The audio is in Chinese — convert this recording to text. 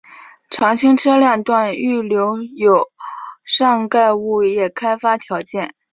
常青车辆段预留有上盖物业开发条件。